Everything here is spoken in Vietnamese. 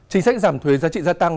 chính sách giảm thuế giá trị gia tăng